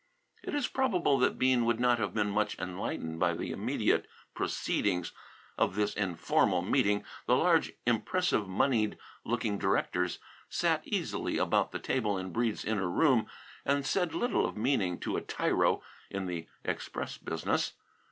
It is probable that Bean would not have been much enlightened by the immediate proceedings of this informal meeting. The large, impressive, moneyed looking directors sat easily about the table in Breede's inner room, and said little of meaning to a tyro in the express business.